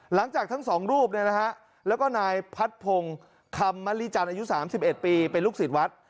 หลังจากทั้งสองรูปเนี่ยนะฮะแล้วก็นายพัดพงศ์คำมริจันทร์อายุสามสิบเอ็ดปีเป็นลูกศิษย์วัด